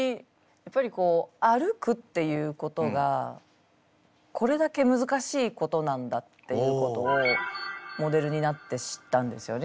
やっぱりこう歩くっていうことがこれだけむずかしいことなんだっていうことをモデルになって知ったんですよね